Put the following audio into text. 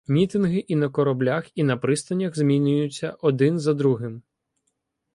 Мітинги і на кораблях, і на пристанях змінюються один за другим.